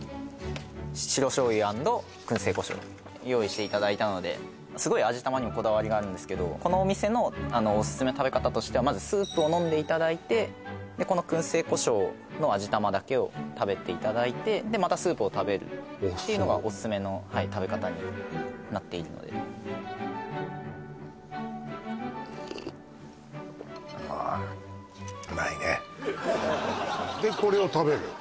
白醤油＆燻製胡椒用意していただいたので味玉にもこだわりがあるんですけどこのお店のオススメの食べ方としてはまずスープを飲んでいただいてでこの燻製胡椒の味玉だけを食べていただいてでまたスープを食べるというのがあそうオススメの食べ方になっているのでうまいでこれを食べるの？